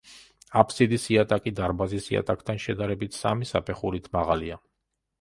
აფსიდის იატაკი, დარბაზის იატაკთან შედარებით, სამი საფეხურით მაღალია.